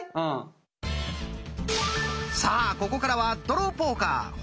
さあここからは「ドローポーカー」本番です！